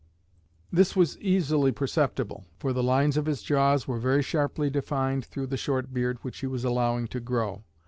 This was easily perceptible, for the lines of his jaws were very sharply defined through the short beard which he was allowing to grow.